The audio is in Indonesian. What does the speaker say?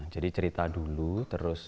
jadi cerita dulu terus